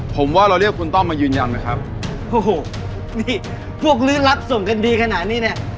ผมว่าเราเรียกคุณต้อมมายืนยันนะครับโอ้โหนี่พวกลื้อรับส่งกันดีขนาดนี้เนี่ย